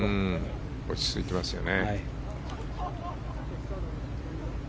落ち着いていますよね。